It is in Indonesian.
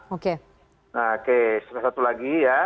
oke satu lagi ya